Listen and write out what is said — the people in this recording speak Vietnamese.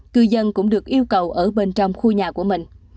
cư dân cũng được yêu cầu ở bên trong khu nhà của mình